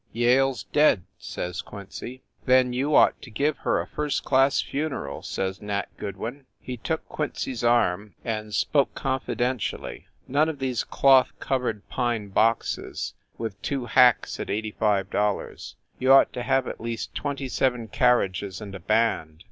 "Yale s dead !" says Quincy. "Then you ought to give her a first class fu neral," says Nat Goodwin. He took Quincy s arm and spoke confidentially. "None of these cloth cov ered pine boxes with two hacks at $85 you ought to have at least twenty seven carriages and a band!"